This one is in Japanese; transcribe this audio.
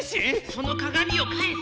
その鏡をかえせ！